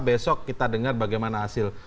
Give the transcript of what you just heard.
besok kita dengar bagaimana hasil